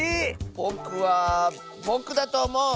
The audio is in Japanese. ⁉ぼくはぼくだとおもう！